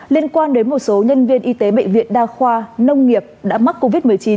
liên quan đến một số nhân viên y tế bệnh viện đa khoa nông nghiệp đã mắc covid một mươi chín